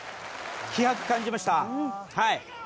気迫、感じました。